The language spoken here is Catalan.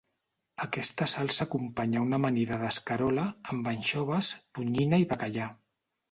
Aquesta salsa acompanya una amanida d'escarola, amb anxoves, tonyina i bacallà.